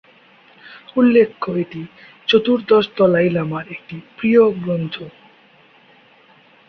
উল্লেখ্য, এটি চতুর্দশ দলাই লামার একটি প্রিয় গ্রন্থ।